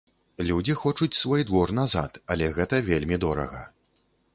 Людзі хочуць свой двор назад, але гэта вельмі дорага.